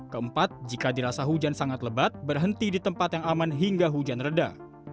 keempat jika dirasa hujan sangat lebat berhenti di tempat yang aman hingga hujan reda